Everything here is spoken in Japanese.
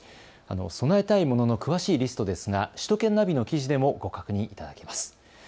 備えたいものの詳しいリストですが首都圏ナビの記事でもご確認いただけます。